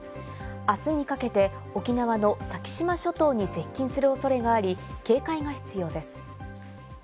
あすにかけて沖縄の先島諸島に接近するおそれがあり、警戒が必要です。